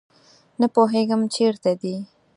نه پوهیږم چیرته دي